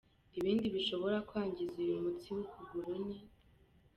Ibindi bishobora kwangiza uyu mutsi w’ukuguru ni:.